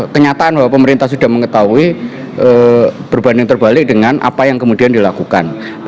kenyataan bahwa pemerintah sudah mengetahui berbanding terbalik dengan apa yang kemudian dilakukan